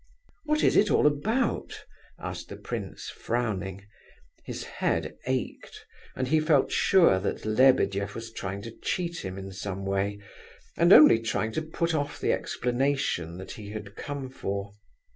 "What is it all about?" asked the prince, frowning. His head ached, and he felt sure that Lebedeff was trying to cheat him in some way, and only talking to put off the explanation that he had come for.